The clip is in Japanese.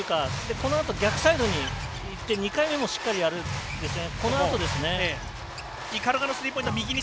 このあと逆サイドにいってしっかりやるんですね。